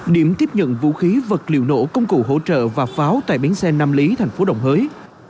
điểm tiếp nhận vũ khí vật liệu nổ công cụ hỗ trợ và pháo tại bến xe nam lý thành phố đồng hới